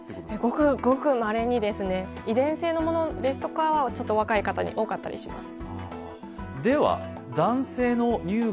ごくごくまれですね、遺伝性のものですとかは若い方に多かったりします。